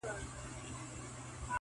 • هر څه بې معنا ښکاري ډېر..